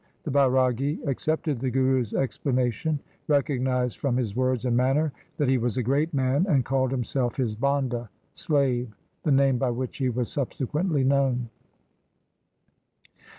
The Bairagi accepted the Guru's explanation, recognized from his words and manner that he was a great man, and called himself his Banda — slave — the name by which he was subsequently known.